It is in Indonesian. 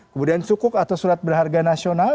kemudian sukuk atau surat berharga nasional